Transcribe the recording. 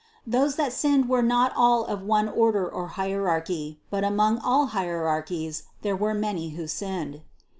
Those that sinned were not all of one order or hierarchy, but among all hierarchies there were many who sinned.